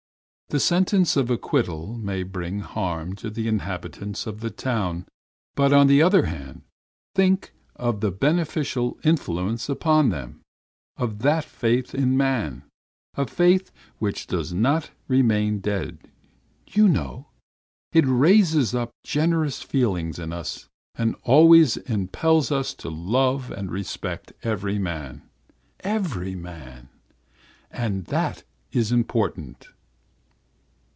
The sentence of acquittal may bring harm to the inhabitants of the town, but on the other hand, think of the beneficial influence upon them of that faith in man a faith which does not remain dead, you know; it raises up generous feelings in us, and always impels us to love and respect every man. Every man! And that is important."